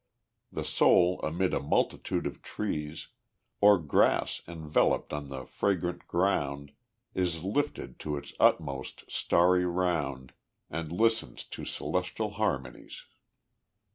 The soul amid a multitude of trees, Or grass enveloped on the fragrant ground, Is lifted to its utmost starry round, And listens to celestial harmonies.